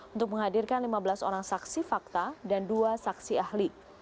untuk menghadirkan lima belas orang saksi fakta dan dua saksi ahli